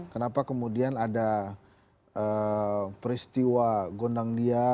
kenapa kemudian ada peristiwa gondang dia